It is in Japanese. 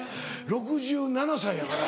６７歳やから。